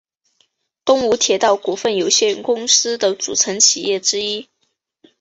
东武铁道股份有限公司的组成企业之一。